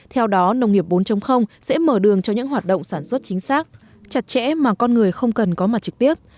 theo đó nông nghiệp bốn sẽ mở đường cho những hoạt động sản xuất chính xác chặt chẽ mà con người không cần có mặt trực tiếp